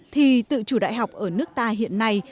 thì tự chủ đại học ở nước ta hiện nay